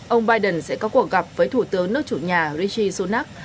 ông biden sẽ có cuộc gặp với thủ tướng nước chủ nhà rishi sunak